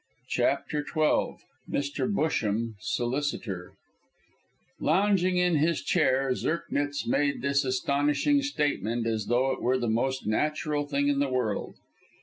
CHAPTER XII MR BUSHAM, SOLICITOR Lounging in his chair, Zirknitz made this astonishing statement as though it were the most natural thing in the world.